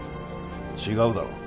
違うだろ？